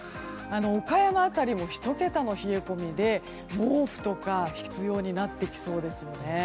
岡山辺りも１桁の冷え込みで毛布とかが必要になってきそうです。